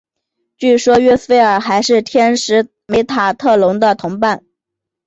据说约斐尔还是天使梅塔特隆的同伴。